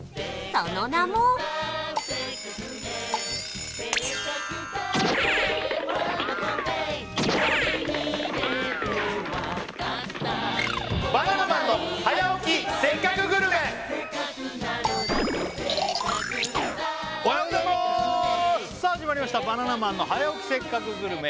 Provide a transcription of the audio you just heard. その名もおはようございますさあ始まりました「バナナマンの早起きせっかくグルメ！！」